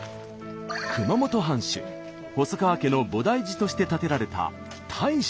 熊本藩主細川家の菩提寺として建てられた泰勝寺。